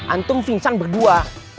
antum pingsan berdua